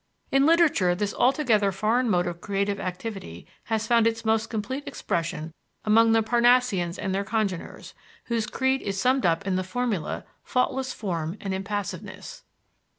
In literature this altogether foreign mode of creative activity has found its most complete expression among the Parnassiens and their congeners, whose creed is summed up in the formula, faultless form and impassiveness.